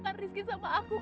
ternyata itu companion